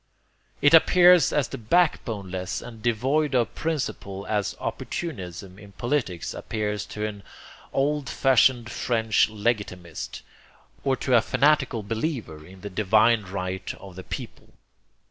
It appears as backboneless and devoid of principle as 'opportunism' in politics appears to an old fashioned french legitimist, or to a fanatical believer in the divine right of the people.